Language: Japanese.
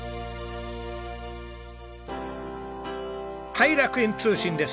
はい楽園通信です。